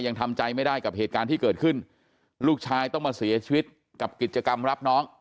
ยังทำใจไม่ได้กับเหตุการณ์ที่เกิดขึ้นลูกชายต้องมาเสียชีวิตกับกิจกรรมรับน้อง